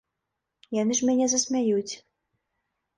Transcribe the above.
Яны ж мяне засмяюць.